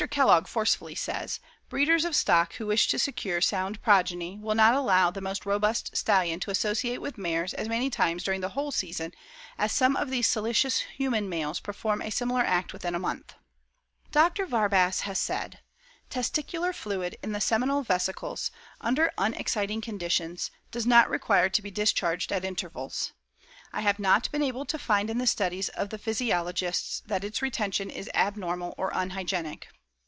Kellogg forcefully says: "Breeders of stock who wish to secure sound progeny will not allow the most robust stallion to associate with mares as many times during the whole season as some of these salacious human males perform a similar act within a month." Dr. Warbasse has said: "Testicular fluid in the seminal vesicles, under unexciting conditions, does not require to be discharged at intervals. I have not been able to find in the studies of the physiologists that its retention is abnormal or unhygienic.